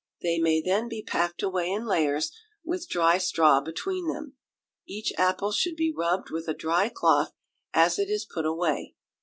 They may then be packed away in layers, with dry straw between them. Each apple should be rubbed with a dry cloth as it is put away.